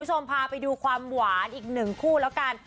คุณผู้ชมพาไปดูความหวานอีกหนึ่งคู่แล้วกัน